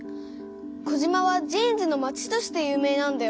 児島はジーンズのまちとして有名なんだよね。